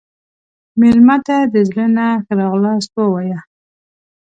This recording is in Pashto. مېلمه ته د زړه نه ښه راغلاست ووایه.